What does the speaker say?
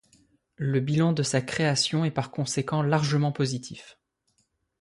Le bilan de sa création est par conséquent largement positif.